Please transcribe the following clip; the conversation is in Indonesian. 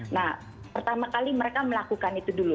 nah pertama kali mereka melakukan itu dulu